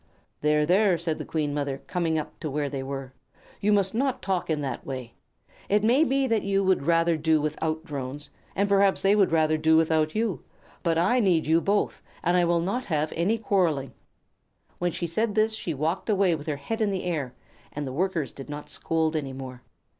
"There, there!" said the Queen Mother, coming up to where they were; "you must not talk in that way. It may be that you would rather do without Drones, and perhaps they would rather do without you; but I need you both and I will not have any quarreling." When she said this she walked away with her head in the air, and the Workers did not scold any more.